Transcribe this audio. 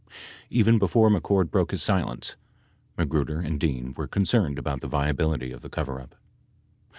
Even before Mc Cord broke his silence, Magruder and Dean were concerned about the viability of the coverup.